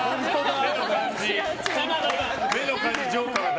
目の感じがジョーカーだ。